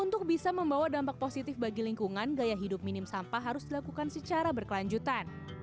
untuk bisa membawa dampak positif bagi lingkungan gaya hidup minim sampah harus dilakukan secara berkelanjutan